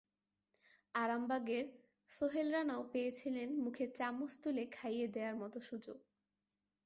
আরামবাগের সোহেল রানাও পেয়েছিলেন মুখে চামচ তুলে খাইয়ে দেওয়ার মতো সুযোগ।